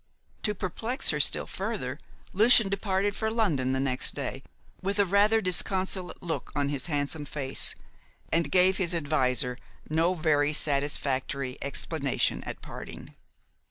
To perplex her still further, Lucian departed for London the next day, with a rather disconsolate look on his handsome face, and gave his adviser no very satisfactory explanation at parting.